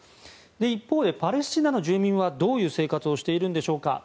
一方でパレスチナの住民はどういう生活をしているでしょうか。